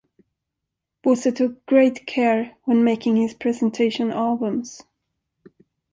Bosse took great care when making his presentation albums.